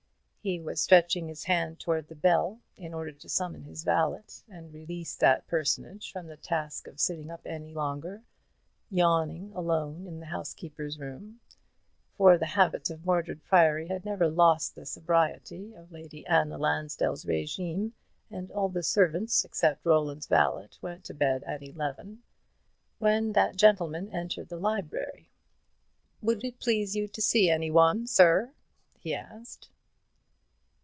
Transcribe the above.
He was stretching his hand towards the bell in order to summon his valet, and release that personage from the task of sitting up any longer, yawning alone in the housekeeper's room, for the habits of Mordred Priory had never lost the sobriety of Lady Anna Lansdell's régime, and all the servants except Roland's valet went to bed at eleven, when that gentleman entered the library. "Would you please to see any one, sir?" he asked.